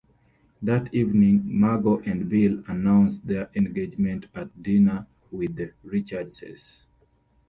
That evening, Margo and Bill announce their engagement at dinner with the Richardses.